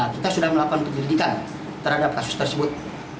kita sudah melakukan penyelidikan terhadap kasus tersebut